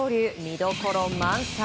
見どころ満載。